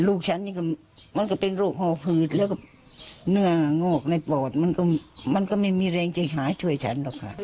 ลูกฉันนี่ก็มันก็เป็นโรคห่อผืดแล้วก็เนื้องอกในปอดมันก็มันก็ไม่มีแรงจะหาช่วยฉันหรอกค่ะ